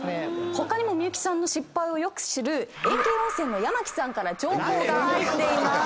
他にも幸さんの失敗をよく知る演芸おんせんの矢巻さんから情報が入っています。